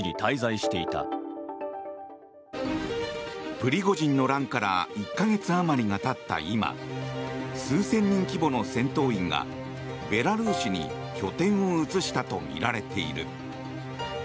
プリゴジンの乱から１か月あまりがたった今数千人規模の戦闘員がベラルーシに拠点を移したとみられている。